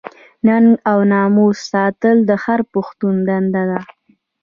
ننګ او ناموس ساتل د هر پښتون دنده ده.